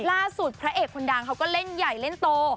พระเอกคนดังเขาก็เล่นใหญ่เล่นโต